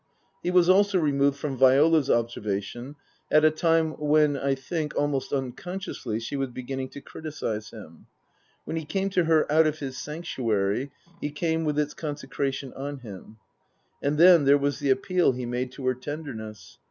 He was also removed from Viola's observation at a time when I think, almost unconsciously, she was beginning to criticize him. When he came to her out of his sanctuary he came with its consecration on him. And then there was the appeal he made to her tenderness.